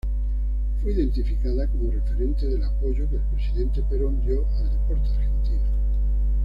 Fue identificada como referente del apoyo que el presidente Perón dio al deporte argentino.